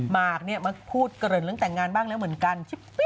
มากมาพูดเกริ่นเรื่องแต่งงานบ้างแล้วเหมือนกัน